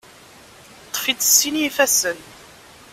Ṭṭef-itt s sin ifassen.